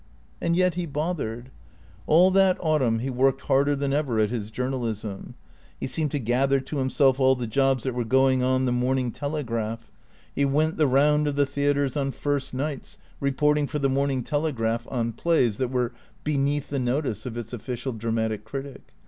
And yet he bothered. All that autumn lie worked harder than ever at his journalism. He seemed to gather to himself all the jobs that were going on the "Morning Telegraph." He went THE CREA TOES 441 the round of the theatres on tirst nights, reporting for the " Morning Telegraph " on plays that were beneath the notice of its official dramatic critic.